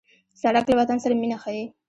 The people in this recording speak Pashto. سړک له وطن سره مینه ښيي.